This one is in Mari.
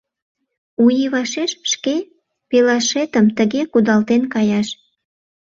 У ий вашеш шке пелашетым тыге кудалтен каяш...